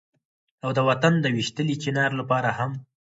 او د وطن د ويشتلي چينار لپاره هم